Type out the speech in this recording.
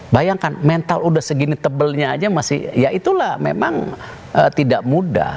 bayangkan mental udah segini tebelnya aja masih ya itulah memang tidak mudah